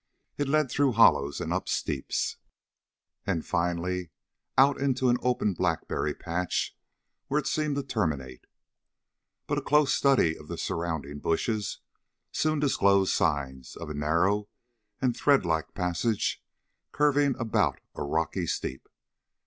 It led through hollows and up steeps, and finally out into an open blackberry patch, where it seemed to terminate. But a close study of the surrounding bushes, soon disclosed signs of a narrow and thread like passage curving about a rocky steep.